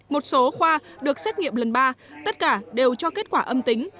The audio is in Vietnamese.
một số khoa được xét nghiệm lần ba tất cả đều cho kết quả âm tính